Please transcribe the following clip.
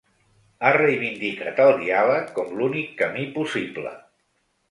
Ha reivindicat el diàleg com l’únic camí possible.